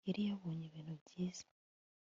Yari yabonye ibintu byiza